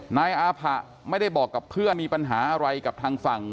นายอาผะไม่ได้บอกกับเพื่อนมีปัญหาอะไรกับทางฝั่ง